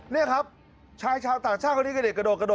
นี่ครับชายชาวต่างชาติก็ได้กระโดด